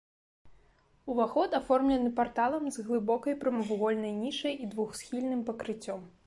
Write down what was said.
Уваход аформлены парталам з глыбокай прамавугольнай нішай і двухсхільным пакрыццём.